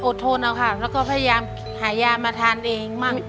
อดทนแล้วค่ะแล้วก็พยายามหายามาทานเองมาก